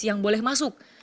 yang boleh masuk